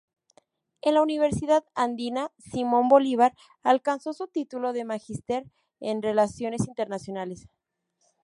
En la Universidad Andina Simón Bolívar alcanzó su título de Magister en Relaciones Internacionales.